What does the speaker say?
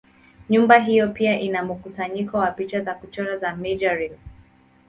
Nyumba hiyo pia ina mkusanyiko wa picha za kuchora za Majorelle.